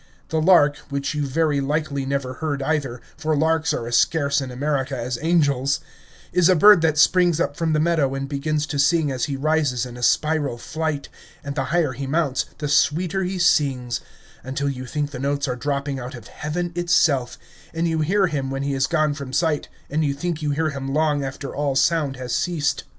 The lark, which you very likely never heard either, for larks are as scarce in America as angels, is a bird that springs up from the meadow and begins to sing as he rises in a spiral flight, and the higher he mounts, the sweeter he sings, until you think the notes are dropping out of heaven itself, and you hear him when he is gone from sight, and you think you hear him long after all sound has ceased.